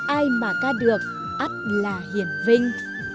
ai mà ca được ác là hiền vinh